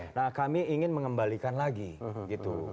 ini ingin mengembalikan lagi gitu